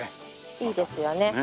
いいですよね。